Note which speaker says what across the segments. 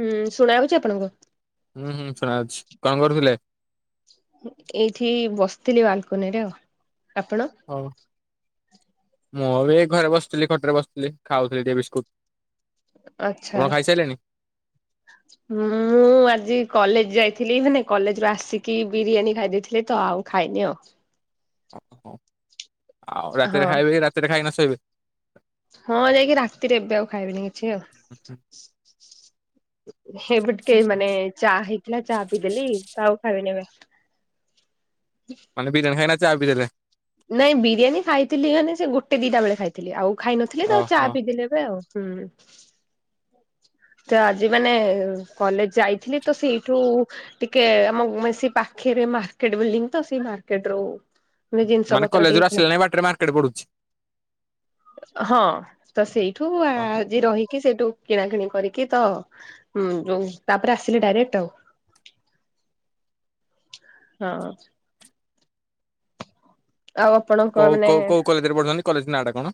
Speaker 1: ହୁଁ, ଶୁଣା ହଉଛି ଆପଣଙ୍କୁ।
Speaker 2: ହୁଁ, ହୁଁ, ଶୁଣା ହୋଉଛି।
Speaker 1: ଏଇଠି ବସି ତଥିଲି ବାଲକୁନରେଉ ଆପଣ?
Speaker 2: ହଉ। ମୁଁ ଏ ଘରେ ବସିଥିଲି ଖଟରେ ବସିଥିଲି ଖାଉଥିଲି ଟିକେ ବିସ୍କୁଟ
Speaker 1: ଆଛା
Speaker 2: ଆପଣ ଖାଇସାରିଲେଣି?
Speaker 1: ମୁଁ ଆଜି କଲେଜ ଯାଇଥିଲି ମାନେ କଲେଜୁ ଆସିକି ବିରିୟାନୀ ଖାଇ ଦେଇେଇଥିଲେ ତ ଆଉ ଖାଇନି ଆଉ
Speaker 2: ଓ ହୋ, ଆଉ ରାତିରେ
Speaker 1: ହଁ
Speaker 2: ଖାଇବେନି ରାତିରେ ଖାଇକିନା ଶୋଇବେ
Speaker 1: ହଁ ଯାଇକି ରାତିରେ ଏବେ ଆଉ ଖାଇବନି ଛି ଆଉ ଏପଟିକେ ମାନେ ଚା ହେଇଥିଲା ଚା ପିଇଦେଲି ତ ଆଉ ଖାଇବିନି ଆଉ
Speaker 2: ମାନେ ବିରିୟାନି ଖାଇବେ ନା ଚାପିିଲଦେଲେ
Speaker 1: ନାଇଁ ବିରିୟାନୀ ଖାଇଥିଲି ମାନେ ସେ ଗୋଟେ ଦିଟା ବେଳେ ଖାଇଥିଲି ଆଉ ଖାଇ ନଥିଲି ଚା
Speaker 2: ଓହୋ।
Speaker 1: ପିଦେଲି ଏବେ ଆଉ ହୁଁ, ତ ଆଜି ମାନେ କଲେଜ ଯାଇଥିଲି ତ ସେଇଠୁ ଟିକେ ଆମ ପାଖରେ ମାର୍କେଟ ବିଲଡିଂ ତ ସେଇ ମାର୍କେଟ ରୁ ମ ଜିନିଷ
Speaker 2: ମାନେ
Speaker 1: ପତ୍ରଟିିକ
Speaker 2: କଲେଜରୁ
Speaker 1: ହେଇଥିଲା
Speaker 2: ଆସିଲା ନାଇଁ ବାଟରେ ମାର୍କେଟ ପଡୁଛି
Speaker 1: ହଁ ତ ସେଇଠୁ ଆଜି ରହିକି ସେଇଠୁ କିଣା କିିଣି କରିକି ତ ତାପରେ ଆସିଲି ଡାଇରେକ୍ଟ ଆଉ ହଁ ଆଉ ଆପଣଙ୍କ
Speaker 2: କୋଉ
Speaker 1: ମାନେ
Speaker 2: କୋଉ କୋଉ କଲେଜରେ ପଢୁଛନ୍ତି କଲେଜ ନାଁ ଟା କଣ?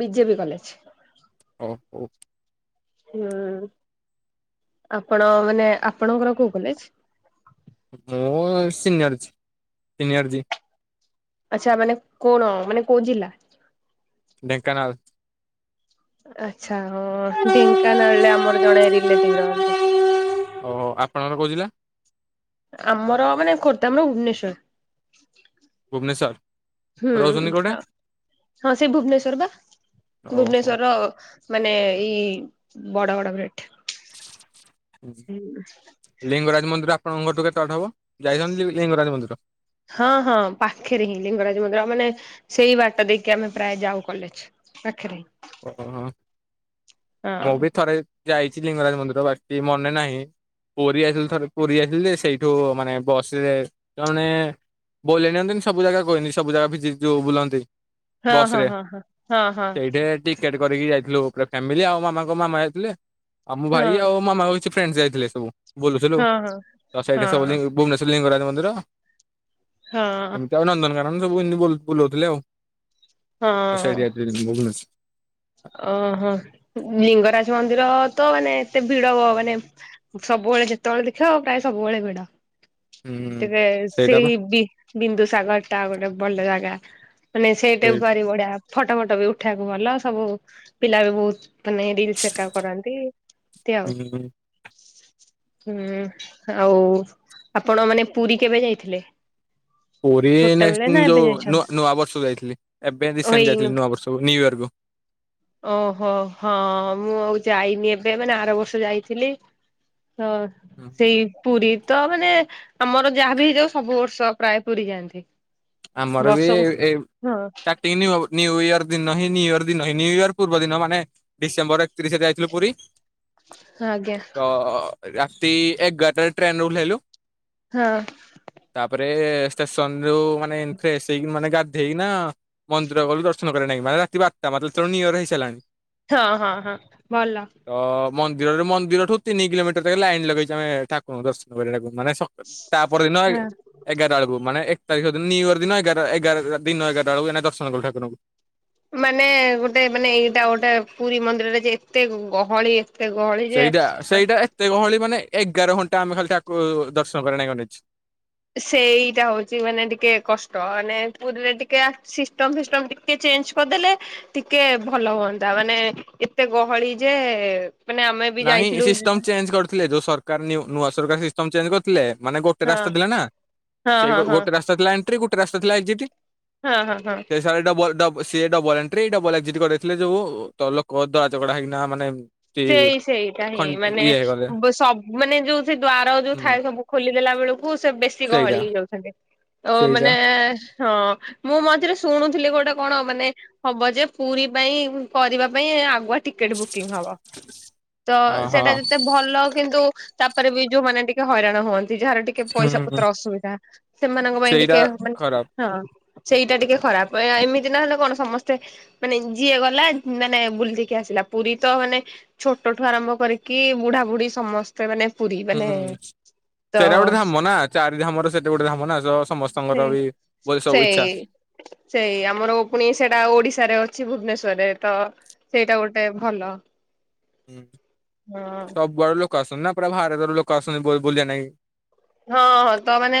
Speaker 1: ବିଜେପି କଲେଜ
Speaker 2: ଓ ହଉ
Speaker 1: ହୁଁ ଆପଣ ମାନେ ଆପଣଙ୍କର କୋଉ କଲେଜ
Speaker 2: ମୁଁ ସିନିୟରଜି ସିନିୟରଜି
Speaker 1: ଆଛା ମାନେ କଣ ମାନେ କୋଉ ଜା
Speaker 2: ଢେଙ୍କାନାଳ
Speaker 1: ଆଛା ଢେଙ୍କାନାଳରେ ଆମର ଜଣେ ରିଲେଟିଭ ରହନ୍ତି।
Speaker 2: ଓହୋ ଆପଣଙ୍କର କହୁଜିଲ୍ଲା
Speaker 1: ଆମର ମାନେ ଖୋର୍ଦ୍ଧା ଆମର ଭୁବନେଶର
Speaker 2: ଭୁବନେଶ୍ୱର
Speaker 1: ହୁଁ
Speaker 2: ରହୁଛନ୍ତି କୋଉଠେ
Speaker 1: ହଁ ସେ ଭୁବନେଶ୍ଵର ବା
Speaker 2: ଓହୋ।
Speaker 1: ଭୁବନେଶ୍ଵର ମାନେ ଏଇ ବଡ ବଡ ଭେ
Speaker 2: ଲିଙ୍ଗରାଜ ମନ୍ଦିର ଆପଣଙ୍କଠୁ କେତେ ଟ ହବ ଯାଇଛନ୍ତି ଲିଙ୍ଗରାଜ ମନ୍ଦିର
Speaker 1: ହଁ ହଁ ପାଖରେ ହିଁ ଲିଙ୍ଗରାଜ ମନ୍ଦିର ମାନେ ସେଇ ବାଟ ଦେଇକି ଆମେ ପ୍ରାୟ ଯାଉ କଲେଜ ପାଖରେ ହିଁ?
Speaker 2: ଓହୋ
Speaker 1: ହଁ
Speaker 2: ମୁଁ ବି ଥରେ ଯାଇଛି ଲିଙ୍ଗରାଜ ମନ୍ଦିର ବାସ ସେ ମନେ ନାହିଁ ପୁରୀ ଆସିଲି ଥରେ ପୁରୀ ଆସିଲି ଯେ ସେଇଠୁ ମାନେ ବସରେ ସେମାନେ ବୋଲେଇ ନିଅନ୍ତିନି ସବୁ ଜାଗା କହିନି ସବୁ ଜାଗା ଭି ଯୋଉ ବୁଲନ୍ତି।
Speaker 1: ହଁ
Speaker 2: ବସ
Speaker 1: ହଁ
Speaker 2: ରେ
Speaker 1: ହଁ ହଁ ହଁ
Speaker 2: ସେଇଠି
Speaker 1: ହଁ।
Speaker 2: ଟିକେଟ କରିକି ଯାଇଥିଲୁ ପୁରା ଫ୍ୟାମିଲି ଆଉ ମାମାଙ୍କ ମାମା ଯାଇଥିଲେ। ଆମ
Speaker 1: ହଁ
Speaker 2: ଭାଇ ଆଉ ମାମା ହୋଉ ଛି ଫ୍ରେଣ୍ଡସେ ଯାଇଥିଲେ ସବୁ। ବୁଲୁଥିଲୁ
Speaker 1: ହଁ
Speaker 2: ତ
Speaker 1: ହଁ ହଁ
Speaker 2: ସେଇଠି ସବୁ ଲି ଭୁବନେଶ୍ୱର ଲିଙ୍ଗରାଜ ମନ୍ଦିର
Speaker 1: ହଁ ହଁ ହଁ
Speaker 2: ଆମେ ତ ନନ୍ଦନ କର ସବୁ ହିନ୍ଦୁ ବୁଲୁଉଥିଲେ ଆଉ [unintelligible]
Speaker 1: ହଁ
Speaker 2: ଭୁବନେଶ୍ୱର
Speaker 1: ଓହୋ ଲିଙ୍ଗରାଜ ମନ୍ଦିର ତ ମାନେ ଏତେ ଭିଡ ହ ମାନେ ସବୁବେଳେ ଯେତେବେଳେ ଦେଖିବା ପ୍ରାୟ ସବୁବେଳେ ଭିଡ।
Speaker 2: ହୁଁ
Speaker 1: ଟେବେ
Speaker 2: ସେଇଟା
Speaker 1: ସେଇ
Speaker 2: ବା
Speaker 1: ବି ବିନ୍ଦୁ ସାଗର ଟା ଗୋଟେ ଭଲ ଜାଗା ମାନେ ସେଇଟା
Speaker 2: ସେଇ
Speaker 1: ବି ପାରି ବଢିଆ ହ ଫଟ ଫଟ ବି ଉଠେଇ ବାକୁ ଭଲ ସବୁ ପିଲା ବି ବହୁତ ମାନେ ରିଲିସ ଏକା କରନ୍ତି ନ୍ତି ଆଉ
Speaker 2: ହୁଁ।
Speaker 1: [inaudible] ହୁଁ ଆଉ ଆପଣ ମାନେ ପୁରୀ କେବେ ଯାଇଥିଲେ?
Speaker 2: ପୁରୀ
Speaker 1: ଛୋଟବେଳେ ନା ଏବେ
Speaker 2: ଯୋଉ ନୂ
Speaker 1: ଯାଇଛନ୍ତି?
Speaker 2: ନୂଆ ବର୍ଷ ଯାଇଥିଲି ଏବେ
Speaker 1: ଓ
Speaker 2: ରିସେଣ୍ଟ
Speaker 1: ଏଇନୁ
Speaker 2: ଯାଇଥିଲି ନୂଆ ବର୍ଷକୁୁ ନିଉୟର୍। କୁହ
Speaker 1: ଓହୋ ହଁ ମୁଁ ଆଉ ଯାଇନି ଏବେ ମାନେ ଆର ବର୍ଷ ଯାଇଥିଲି ହଁ ସେଇ ପୁରୀ ତ ମାନେ ତମର ଯାହାବି ହେଇଯାଉ ସବୁ ବର୍ଷ ପ୍ରାୟ ପୁରୀ ଯାଆନ୍ତି।
Speaker 2: ଆମର ବି
Speaker 1: ବର୍ଷକୁ
Speaker 2: [unintelligible]
Speaker 1: ହଁ
Speaker 2: ନ୍ୟୁଇୟର ଦିନ ହିଁ ନ୍ୟୁୟର ଦିନ ହିଁ ନ୍ୟୁଇୟର୍ ପୂର୍ବ ଦିନ ମାନେ ଡିସେମ୍ବର ଏକତିରିଶରେ ଯାଇଥିଲୁ ପୁରୀ।
Speaker 1: ଆଜ୍ଞା
Speaker 2: [inaudible] ତ ଅ ଯା ତି ଏଗାର ଟା ରେ ଟ୍ରେନରୁୁ ଉଲେଇଲୁ
Speaker 1: ହଁ। [inaudible]
Speaker 2: ରେ ଷ୍ଟେସନ୍ ରୁ ମା ମାନେ ଫ୍ରେସ୍ ହେଇକି ମାନେ ଗାଧେଇକି ମନ୍ଦିର ଗଲୁ ଦର୍ଶନ କରିବା ଲାଗି ମାନେ ରାତି ବାରଟା ମାନେ ହେତଳୁ ନିୟର ହେଇସାରିଲାଣି।
Speaker 1: ହଁ ହଁ ହଁ ଭଲ।
Speaker 2: ତ ମନ୍ଦିରରେ ମନ୍ଦିରଠୁ ତିନି କିଲୋମିର ରେ ଲାଇନ ଲଗେଇ ଥିବେ ଠାକୁରଙ୍କୁ ଦର୍ଶନ କରିବାକୁ। ମାନେ ତା ପରଦିନ
Speaker 1: ହଁ।
Speaker 2: ଏଗାର ଟା ବେଳକୁ ମାନେ ଏ। [inaudible] ନ୍ୟୁ ଇୟର ଦିନ ଏଗାର ଟା ଏଗାର ଦିନ ଏଗାର ଟା ବେଳକୁ ଦର୍ଶନ କଲୁ ଠାକୁରଙ୍କୁ।
Speaker 1: ମାନେ ଗୋଟେ ମାନେ ଏଇଟା ଗୋଟେ ପୁରୀ ମନ୍ଦିର ରେ ଯେ ଏତେ ଗହଳି ଏ
Speaker 2: ସେଇଟା ସେଇଟା ଏତେ ଗହଳି ମାନେ ଏଗାର ଘଣ୍ଟା ଆମେ ଖାଲି ତାକୁ ଦର୍ଶନ କରେ ନାଇଁଛି।
Speaker 1: ସେଇଟା ହଉଛି ମାନେ ଟିକେ କଷ୍ଟ ମାନେ ପୁରୀରେ ଟିକେ ସିଷ୍ଟମ ଫିଷ୍ଟମ ଟିକେ ଚେଞ୍ଜ କରିଦେଲେ ଟିକେ ଭଲ ହୁଅନ୍ତା। ମାନେ ଏତେ ଗହଳି ଯେ ମାନେ ଆମେ ବି
Speaker 2: ନାହିଁ
Speaker 1: ଯାଇଥିଲୁ
Speaker 2: ସିଷ୍ଟମ ଚେଞ୍ଜ କରିୁଥିଲେ ଯୋଉ ସରକାର ନୂଆ ସରକାର ସିଷ୍ଟମ୍ ଚେଞ୍ଜ କରିଥିଲେ ମାନେ ଗୋଟେ
Speaker 1: ହଁ
Speaker 2: ରାସ୍ତା ଥିଲା ନା
Speaker 1: ହଁ
Speaker 2: ସେଇ
Speaker 1: ହଁ ହଁ
Speaker 2: ଗୋଟେ ରାସ୍ତା ଥିଲା ଏ ଏ ଗୋଟେ ରାସ୍ ଥିଲା ଏକ୍ଜିଟି
Speaker 1: ହଁ ହଁ ହଁ
Speaker 2: ସେ ସାର ଡଡ ସିଏ ଡବଲ ଏଣ୍ଟ୍ରି ଡବଲ ଏକ୍ଜିଟ୍ଥିଲେ ଯୋଉ ତଲକ ଦରାଗଡା ହେଇକି ମାନେ ଇଏ
Speaker 1: ସେଇ ସେଇଟା
Speaker 2: ଖ
Speaker 1: ହିଁ ମାନେ
Speaker 2: ହେଇଗଲେ
Speaker 1: ସବ ମାନେ ଯୋଉ ସେ ଦ୍ଵାର ଯୋଉ
Speaker 2: ହୁଁ
Speaker 1: ଥାଏ ସବୁ ଖୋଲି ନଲାବେଳକୁ କୁ ସେ ବେଶୀ
Speaker 2: ସେଇଟା
Speaker 1: ଗହଳି ହେଇ ଯାଉଛନ୍ତି। ଆ
Speaker 2: ସେଇଟା
Speaker 1: ମାନେ ହଁ ମୁଁ ମଝିରେ ଶୁଣୁଥିଲି ଗୋଟେ କଣ ମାନେ ହବ ଯେ ପୁରୀ ପାଇଁ କରିବା ପାଇଁ ଆଗୁଆ ଟିକେଟ ବୁକିଂ ହବ। ତ
Speaker 2: ଅହୋ
Speaker 1: ସେଇଟା ଯେତେ ଭଲ। କିନ୍ତୁ ତାପରେ ବି ଯୋଉମାନେ ଟିକେ ହଇରାଣ ହୁଅନ୍ତି। ଯାହାର ଟିକେ ପଇସା
Speaker 2: ହୁଁ
Speaker 1: ପତ୍ର ଅସୁବିଧା ସେମାନଙ୍କ ପାଇଁ ଟିକେ
Speaker 2: ସେଇଟା
Speaker 1: ମାନେ
Speaker 2: ଖରାପ
Speaker 1: ହଁ ସେଇଟା ଟିକେ ଖରାପ ଏମିତି ନହେଲେ କଣ ସମସ୍ତେ ମାନେ ଯିଏ ଗଲା ମାନେ ବୁଲିକି ଆସିଲା ପୁରୀ ତ ମାନେ ଛୋଟଠୁ ଆରମ୍ଭ କରିକି ବୁଢା ବୁଢୀ ସମସ୍ତେ ମାନେ ପୁରୀ ମାନେ
Speaker 2: ହୁଁ
Speaker 1: ତ
Speaker 2: ସେଇଟା ଗୋଟେ ଧାମ ନା ଚାରି ଧାମର ସେଟା ଗୋଟେ ଧାମ ନା ତ
Speaker 1: ସେ
Speaker 2: ସମସ୍ତଙ୍କର ବି ବୋଲି ସବୁ
Speaker 1: ସେଇ
Speaker 2: ଇଚ୍ଛା
Speaker 1: ସେଇ ଆମର ପୁଣି ସେଟା ଓଡିଶାରେ ଅଛି ଭୁବନେଶ ରେ ତ ସେଇଟା ଗୋଟେ ଭଲ।
Speaker 2: ହୁଁ
Speaker 1: ହଁ
Speaker 2: ସବୁ ଆଡୁ ଲୋକ ଆସନ ନା। ପୁରା ଭାରତର ଲୋକ ଆସଛନ୍ତି ବୁଲିଲେ ନାଗୀ।
Speaker 1: ହଁ ହଁ ତ ମାନେ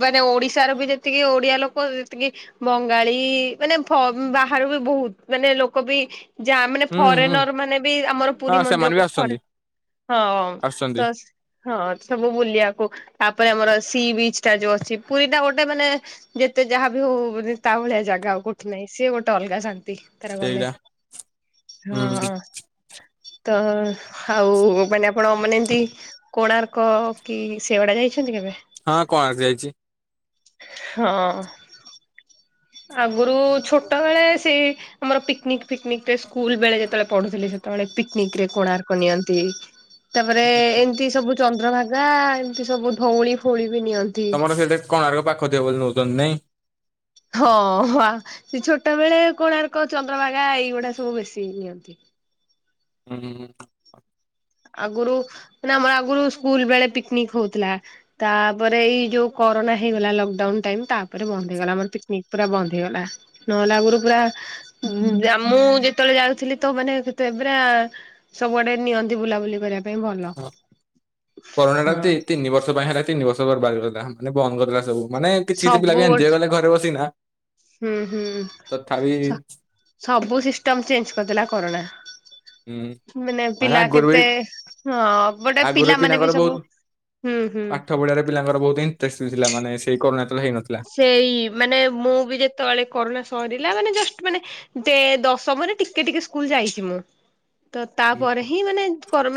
Speaker 1: ମାନେ ଓଡିଶାର ବି ଯେତିକି ଓଡିଆ ଲୋକ ଯେତିକି ବଙ୍ଗାଳୀ ମାନେ ବାହାରୁ ବି ବହୁତ ମାନେ ଲୋକ ବି ଯାହା ମାନେ
Speaker 2: ହୁଁ ହୁଁ
Speaker 1: ଫରେନର ମାନେ ବି ଆମର ପୁରୀ
Speaker 2: ହଁ ସେମାନେ ବି
Speaker 1: ମନ୍ଦିରକୁ ଫରେ
Speaker 2: ଆସୁଛନ୍ତି
Speaker 1: ହଁ ତ
Speaker 2: ଆସୁଛନ୍ତି
Speaker 1: ହଁ ସବୁ ବୁଲିବାକୁ ତାପରେ ଆମର ସି ବିଚ ଟା ଯୋଉ ଅଛି ପୁରୀ ଟା ଗୋଟେ ମାନେ ଯେତେ ଯାହା ବି ହଉାନ ତା ଭଳିଆ ଜାଗା ଆଉ କୋଠି ନାହିଁ ସିଏ ଗୋଟେ ଅଲଗା ଶାନ୍ତି। ତି ତର କଲେ
Speaker 2: ସେଇଟା ହୁଁ
Speaker 1: ହଁ। ତ ଆଉ ମାନେ ଆପଣ ମାନେ ଏମତି କୋଣାର୍କ କି ସେଗୁଡ଼ା ଯାଇ ଛନ୍ତି କେବେ?
Speaker 2: ହଁ କୋଣାର୍କ ଯାଇଛି।
Speaker 1: ହଁ। ଆଗରୁ ଛୋଟ ବଳେ ସେ ଆମର ପିକନିକ ଫିକନିକ ସ୍କୁଲ ବେଳେ ଯେତେବେଳେ ପଢୁଥିଲି ସେତେବେଳେ ପିକନିକରେ କୋଣାର୍କ ନିଅନ୍ତି। ତାପରେ ଏମତି ସବୁ ଚନ୍ଦ୍ରଭାଗା ଏମିତି ସବୁ ଧଉଳି ଫୋଳି
Speaker 2: ତମର ସେଇଟା କୋଣାର୍କ ପାଖ ଥିବ ବୋଲି ନେଉଛନ୍ତି ନାଇଁ।
Speaker 1: ହଁ ସେ ଛୋଟ ବେଳେ କୋଣାର୍କ ଚନ୍ଦ୍ରଭାଗା ଏଇଗୁଡା ସବୁ ବେଶୀ ନିଅନ୍ତି।
Speaker 2: ହୁଁ।
Speaker 1: ଆଗରୁ ସୁନା ମାନେ ଆମର ଆଗରୁ ସ୍କୁଲ ବେଳେ ପିକନିକ ହଉଥିଲା। ତାପରେ ଏଇ ଯୋଉ କରୋନା ହେଇଗଲା ଲକଡାଉନ ଟାଇପ୍ ତାପରେ ବନ୍ଦ ହେଇଗଲା। ଆମର ପିକନିକ ପୁରା ବନ୍ଦ ହେଇଗଲା ନହେଲେ ଆଗରୁ ପୁରା ମୁଁ ଜାମୁ ଯେତେବେଳେ ଯାଉଥିଲି। ତ ମାନ ସେତେବେଳ ପୁରା ସବୁଆଡ଼େ ନିଅ ବୁଲାବୁଲି କରିବା
Speaker 2: ହଁ କରୋନା
Speaker 1: ହଁ
Speaker 2: ଟା ତିନି ବର୍ଷ ପାଇଁ ହେ ତିନି ବର୍ଷ ପୁରା ବରବାଦ କ ପ୍ଳାଣ୍ଟ ପ୍ଲୁଟ ବନ୍ଦ କରିଦେଲା ସବୁ। ମାନେ କିଛି କିଛି ପିଲା
Speaker 1: ସବୁ
Speaker 2: ବି ଆଣଥିବେ
Speaker 1: ଗୋଟେ
Speaker 2: କଲେ ଘରେ ବସି କିନା।
Speaker 1: ହୁଁ ହୁଁ ସ ସବୁ ସିଷ୍ଟମ୍ ଚେଞ୍ଜ କରିଦେଲା କରୋନା।
Speaker 2: ହୁଁ ମାନେ
Speaker 1: ପିଲା
Speaker 2: ଆଗରୁ ବି
Speaker 1: କେତେ ହଁ ଗୋଟେ
Speaker 2: [inaudible] ଆଗରୁ
Speaker 1: ପିଲାମାନେ ବି
Speaker 2: ପିଲାଙ୍କର
Speaker 1: ସବୁ
Speaker 2: ବହୁତ
Speaker 1: ହୁଁ
Speaker 2: [inaudible]
Speaker 1: ହୁଁ।
Speaker 2: ପାଠ ପଢାରେ ପିଲାଙ୍କର ବହୁତ ଇଣ୍ଟଷ୍ଟଥିଲା। ମାନେ ସେଇ କରୋନା ଯେତେବେଳେ ହେଇନଥିଲା।
Speaker 1: ସେଇ ମାନେ ମୁଁ ବି ଯେତେବେଳେ କରୋନା ସରିଲା ମାନେ ଜଷ୍ଟ ମାନେ ଦେ ଦଶମରେ ଟିକେ ଟିକେ ସ୍କୁଲ ଯାଇଛି ମୁଁ। ତ ତାପରେ ହିଁ ମାନେ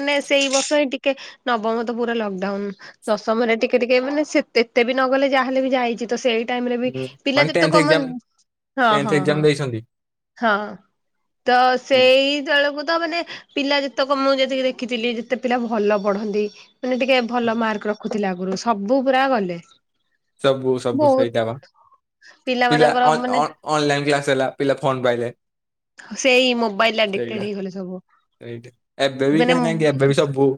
Speaker 1: ମାନେ ସେଇ ବର୍ଷ ଟି କେ ନବମ ତ ପୁରା ଲକଡାଉନ। ଦଶମରେ ଟିକେ ଟିକେ ମାନେ ସେ ଏତେ ବି ନ ଗଲେ ଯାହେଲେ ବି ଯାଇଛି। ତ ସେ ଟାଇମ୍ ରେ ବି ପିଲା
Speaker 2: ମାନେ
Speaker 1: ଯେତେ
Speaker 2: ଟେନ୍ଥ
Speaker 1: କମ
Speaker 2: ଏକ୍ଜାମ
Speaker 1: ହଁ
Speaker 2: ଟେନ୍ଥ
Speaker 1: ହଁ
Speaker 2: ଏକ୍ଜାମ
Speaker 1: ହଁ
Speaker 2: ଦେଇଛନ୍ତି।
Speaker 1: ହଁ ତ ସେଇ ତଳକୁ ତ ମାନେ ପିଲା ଯେ ତକ ମୁଁ ଯେତିକି ଦେଖିଥିଲି ଯେତେ ପିଲା ଭଲ ପଢନ୍ତି। ମାନେ ଟିକେ ଭଲ ମାର୍କ ରଖୁ ଥିଲା ଆଗରୁ ସବୁ ପୁରା ଗଲେ।
Speaker 2: ସବୁ ସବୁ ସେଇଟା ବା
Speaker 1: ବହୁତ [inaudible] ପିଲା ମାନଙ୍କର ମାନେ
Speaker 2: ଅନଲାଇନ କ୍ଲାସ ହେଲା ପିଲା ଫୋନ ପାଇଲେ।
Speaker 1: [inaudible] ସେଇ ମୋବାଇଲ ଆଡିକ୍ଟେଡ
Speaker 2: ସେଇଟା
Speaker 1: ହେଇଗଲେ ସବୁ।
Speaker 2: ଏବେ ବି
Speaker 1: ମାନେ
Speaker 2: କାହିଁ ନାଁ ଏବେ ବି ସବୁ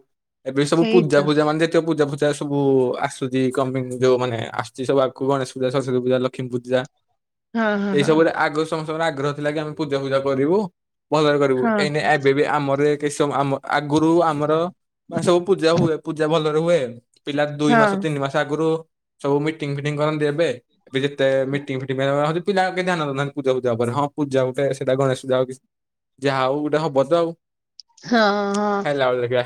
Speaker 2: ଏବେ ସବୁ
Speaker 1: ସେଇ
Speaker 2: ପୂଜା
Speaker 1: ତ
Speaker 2: ପୂଜା ମାନେ ଜେତିକ ପୂଜା ଜା ସବୁ ଆସ ଶୁଚି କମିଙ୍ଗ ଯୋଉ ମାନେ ଆସୁଛି ସବୁ ଆଗକୁ ଗଣେଶ ପୂଜା ସରସ୍ଵତି ପୂଜା ଲକ୍ଷ୍ମୀ ପୂଜା।
Speaker 1: ହଁ
Speaker 2: [inaudible]
Speaker 1: ହଁ
Speaker 2: ଏଇସବୁରେ ଆଗରୁ ସମସ୍ତେ ଆଗ୍ରହ ଥିଲା କି ଆମେ ପୂଜା ଫୂଜା କରିବୁ। ବଜାର କରିବୁ
Speaker 1: ହଁ
Speaker 2: ଏଇନେ ଆ ମରେ କେ ସବୁ ଆମ ଆଗରୁ ଆମର ବା ସବୁ ପୂଜା ହୁଏ ପୂଜା ଭଲ କରୁ ଏ ପିଲା
Speaker 1: ହଁ
Speaker 2: ଦୁଇ
Speaker 1: ହଁ
Speaker 2: ମାସ ତିନି ମାସ ଆଗରୁ ସବୁ ମିଟିଙ୍ଗ୍ ଫିଟିଙ୍ଗ୍ କରନ୍ତି ଏବେ। ଏବେ ଯେତେ ମିଟିଙ୍ଗ୍ ଫିଟିଙ୍ଗ୍ ପିଲା ଆଉ କେ ଧ୍ୟାନ ଦଉନାହାନ୍ତି ପୂଜା ଫୂଜା ଉପରେ ହଁ ପୂଜା ଗୋଟେ ସେଇଟା ଗଣେଶ ପୂଜା ହଉ କି ଯାହାଉ ଗୋଟେ ହବ ଯାଉ
Speaker 1: ହଁ ହଁ।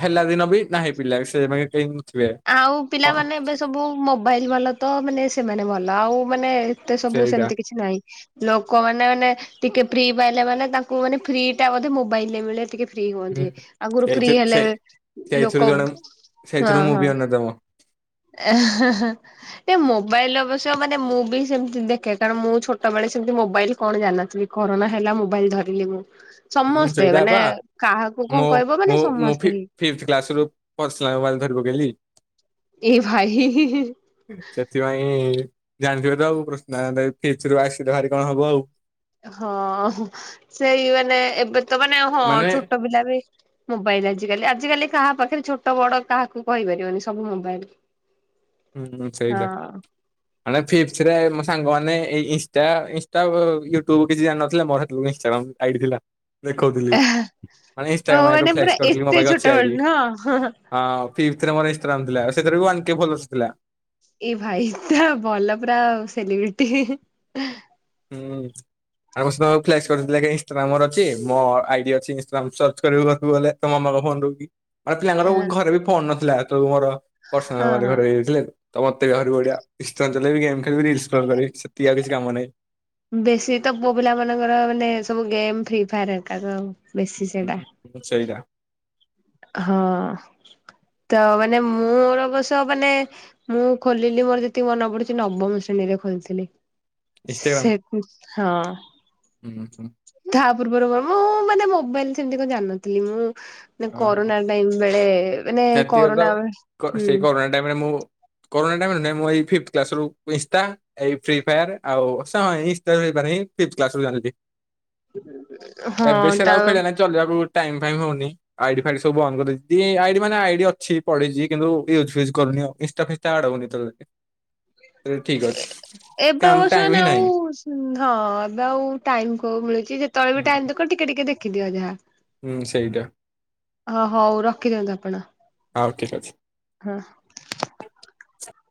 Speaker 2: ହେଲା ଦିନ ବି ନାହିଁ ପିଲା ସେ ମିଟିଙ୍ଗ୍
Speaker 1: ଆଉ ପିଲାମାନେ ଏବେ ସବୁ ମୋବାଇଲ ଭଲ ତ ମାନେ ସେମାନେ ଭଲ। ଆଉ ମାନେ ଏତେ ସବୁ
Speaker 2: ସେଇଟା
Speaker 1: ସେମତି କିଛି ନାହିଁ ଲୋକମାନେ ମାନେ ଟିକେ ଫ୍ରି ପାଇଲା ମାନେ ତାଙ୍କୁ ମାନେ ଫ୍ରି ଟା ବୋଧେ ମୋବାଇଲରେ ମିଳେ ଟିକେ। ଫ୍ରି ହୁଅନ୍ତି
Speaker 2: ହୁଁ
Speaker 1: ଆଗରୁ ଫ୍ରି
Speaker 2: ସେଇଥି
Speaker 1: ହେଲେ
Speaker 2: ସେଇ ସେଇଥିରୁ
Speaker 1: ଲୋକ
Speaker 2: ଜଣେ
Speaker 1: ହଁ
Speaker 2: ସେଇଥିରୁ ମୁଁ
Speaker 1: ହଁ।
Speaker 2: ବି [inaudible]
Speaker 1: ଏ ମୋବାଇଲ ଅବଶ୍ୟ ମାନେ ମୁଁ ବି ସେମତି ଦେଖେ, କାରଣ ମୁଁ ଛୋଟବେଳେ ସେମତି ମୋବାଇଲ କଣ ଜାନିନଥିଲି କରୋନା ହେଲା ମୋବାଇଲ ଧରିଲି ମୁଁ।
Speaker 2: ହଁ
Speaker 1: ସମସ୍ତେ
Speaker 2: ସେଇଟା
Speaker 1: ମାନେ
Speaker 2: ବା
Speaker 1: କାହାକୁ କଣ
Speaker 2: ମୁଁ
Speaker 1: କହିବ ମାନେ
Speaker 2: ମୁଁ
Speaker 1: ସମସ୍ତେ ହିଁ
Speaker 2: ଫିଫଥି କ୍ଲାସ୍ ରୁ ପର୍ସନାଲ ମୋବାଇଲ ଧରି ପକେଇଲି।
Speaker 1: ଏ ଭାଇ
Speaker 2: ସେଥିପାଇଁ ଜାଣିଥିବେ ତ ଆଉ ପ୍ରଶ୍ନ ଫିଚରୁୁ ଆସିଲେ ଭାରି କଣ ହବ ଆଉ।
Speaker 1: ହଁ ସେଇ ମାନେ ଏବେ ତ ମାନେ ହଁ ଛୋଟ ପିଲା ବି ମୋବାଇଲ ଆଜିକାଲି ଆଜିକାଲି କାହା ପାଖରେ ଛୋଟ ବଡ କାହାକୁ କହିପାରିବନି ସବୁ ମୋବାଇଲ।
Speaker 2: ହୁଁ ସେଇଟା
Speaker 1: ହଁ।
Speaker 2: ମାନେ ଫିଫଥିରେ ମୋ ସାଙ୍ଗ ମାନେ ମାନେ ଏଇ ଇନଷ୍ଟା ଇନଷ୍ଟା ଇୟୁଟୁବ୍ କିଛି ଜାଣିନଥିଲା ମୋର ସେତବେଳକୁ ଇନଷ୍ଟାଗ୍ରାମ୍ ଆଇଡି ଥିଲା। ଦେଖଉଥିଲି ମାନେ
Speaker 1: ହଉ
Speaker 2: ଇନଷ୍ଟାଗ୍ରାମ୍ ଆଇଡି ର
Speaker 1: ମାନେ ପୁରା
Speaker 2: ରିଫ୍ଲେକ୍ସ୍ କରିଥିଲି ମୋ
Speaker 1: ଏତେ
Speaker 2: ପାଖରେ
Speaker 1: ଛୋଟ
Speaker 2: ଅଛି
Speaker 1: ବେଳୁ
Speaker 2: ଆଇଡି
Speaker 1: ନୁହଁ
Speaker 2: ହଁ। ଫିଫଥିରେ ମୋର ଇନଷ୍ଟାଗ୍ରାମ୍ ଥିଲା ସେଥିରେ ୱନ୍ କେ ଫଲୋରସ୍ ଥିଲା।
Speaker 1: ଏଇ ଭାଇ ତ ଭଲ ପୁରା ସେଲିବ୍ରେଟି।
Speaker 2: ହୁଁ ଆଗୁରୁ କରିଥିଲା କି ଇନଷ୍ଟାଗ୍ରାମ୍ ମୋର ଅଛି ମୋ ଆଇଡି ଅଛି ଇନଷ୍ଟାଗ୍ରାମ୍ ସର୍ଚ କରିବାକୁ ଗଲେ ତୋ ମାମାଙ୍କ ଫୋନ ଆଗେ ପିଲାଙ୍କର
Speaker 1: ହଁ
Speaker 2: ଘରେ ବି ଫୋନ ନଥିଲା। ତୁମର? ପର୍ସନାଲ ମା
Speaker 1: ହଁ।
Speaker 2: ଘରେ ହେଇଯାଇଥିଲେ ତ। ତ ମତେ ବାହାର ବଢିଆ ଇନଷ୍ଟା ବି ଚଲେଇଲି ଗେମ୍ ଖେଳିବି ଇନଷ୍ଟଲ୍ କରିବି ସେତିକ ଆଉ କିଛି କାମ ନାହିଁ।
Speaker 1: ବେଶୀ ତ ପୁଅ ପିଲା ମାନଙ୍କର ମାନେ ସବୁ ଗେମ୍ ଫ୍ରି ଫାୟାର ଏକା ତ ଆଉ ବେଶୀ
Speaker 2: ହୁଁ
Speaker 1: ସେଟା।
Speaker 2: ହୁଁ, ସେଇଟା
Speaker 1: ହଁ ତ ମାନେ ମୋର ଅବଶ୍ୟ ମାନେ ମୁଁ ଖୋଲିଲି ମୋର ଯେତିକି ମନେ ପଡୁଛି ନବମ ଶ୍ରେଣୀରେ ଖୋଲିଥିଲି। ସେ ହଁ।
Speaker 2: ଉଁହୁଁ ହୁଁ।
Speaker 1: ତା ପୂର୍ବରୁ ମୁଁ ମାନେ ମୋବାଇଲ ସେମିତି କଣ ଜାଣିନଥିଲି ମୁଁ। ନା
Speaker 2: ଓହୋ
Speaker 1: କରୋନା ଟାଇମ୍ ବେଳେ ମାନେ
Speaker 2: ସେତିକି ତ ଆଉ
Speaker 1: କରୋନା [inaudible]
Speaker 2: କ
Speaker 1: ହୁଁ।
Speaker 2: ସେଇ କରୋନା ଟାଇମରେ ମୁଁ କରୋନା ଟାଇମ ରେ ନାଇ ମୁଁ ଏଇ ଫିଥି କ୍ଲାସ ରୁ ଏଫ୍ରି ଫେୟା ଆଉ ଇଂଷ୍ଟା ହେଇପାରେ ଫିଥୀ କ୍ଲାସ ରୁ ଜାଣିଲି। ଏବେ
Speaker 1: ହଁ
Speaker 2: ସେରା
Speaker 1: ତା
Speaker 2: ଆଉ ଖେଳିବା ନାହିଁ ଚଲେଇବାକୁ ଟାଇମ ଫାଇମ ହଉନି। ଆଇଡି ଫାଇଡ ସବୁ ବନ୍ଦ କରିଦେଇଚି, ଯିଏ ଏ ଆଇଡ ମାନେ ଆଇଡି ଅଛି ପଡିଚି କିନ୍ତୁ ୟୁଜୁ ଫ୍ୟୁଜ କରୁନି ଆଉ। ଇଂଷ୍ଟା ଫିଂଷ୍ଟା ଆଡ ହଉନି।
Speaker 1: ଏବେ
Speaker 2: କାମ ଟାଇମ
Speaker 1: ବସଉନ
Speaker 2: ହିଁ
Speaker 1: ଆଉ
Speaker 2: ନାହିଁ
Speaker 1: ହଁ ଏବେ ଆଉ ଟାଇମ କୋଉ ମିଳୁଛି ଯେତେବେଳେ ବି ଟାଇମ
Speaker 2: ହୁଁ
Speaker 1: ଦେଖ ଟିକେ ଟିକେ ଦେ ଖି ଦିଅ ଯାହା।
Speaker 2: ହୁଁ ସେଇଟା
Speaker 1: ହ ହଉ ରଖିଦିଅନ୍ତୁ ଆପଣ
Speaker 2: ହଉ ଠିକ ଅଛି।
Speaker 1: ହଁ।